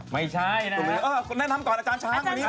ไม่ใช่นะแนะนำก่อนอาจารย์ช้างวันนี้